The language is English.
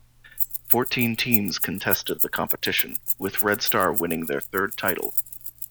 Fourteen teams contested the competition, with Red Star winning their third title.